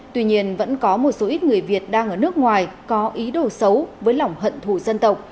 tuy nhiên vẫn có một số ít người việt đang ở nước ngoài có ý đồ xấu với lỏng hận thù dân tộc